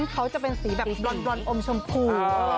เขาจะเป็นสีแบบบรอนอมชมพู